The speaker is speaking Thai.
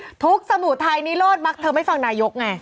ทุกสมุทรไทยนิโรธมักเธอไม่ฟังนายกไง